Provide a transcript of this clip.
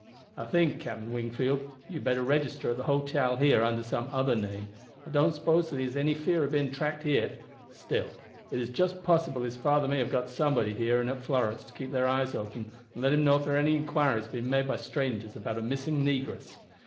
I think, Captain Wingfield, you had better register at the hotel here under some other name. I don't suppose that he has any fear of being tracked here; still it is just possible his father may have got somebody here and at Florence to keep their eyes open and let him know if there are any inquiries being made by strangers about a missing negress.